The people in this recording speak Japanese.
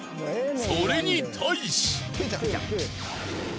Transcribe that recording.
それに対し］